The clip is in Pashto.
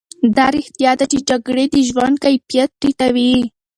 دا رښتیا ده چې جګړې د ژوند کیفیت ټیټوي.